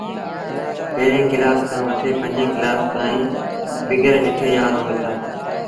پيريٚݩ ڪلآس کآݩ وٺي پنجيٚن ڪلآس تائيٚݩ بيگر ڏٺي يآد هوئيٚتآ۔